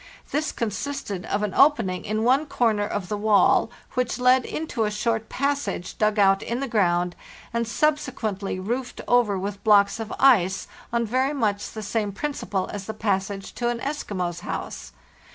This consisted of an opening in one 420 FARTHEST NORTH corner of the wall, which led into a short passage dug out in the ground and subsequently roofed over with blocks of ice, on very much the same principle as the passage to VessSO an Eskimo's house.